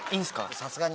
さすがに。